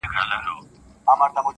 د ملګري یې سلا خوښه سوه ډېره-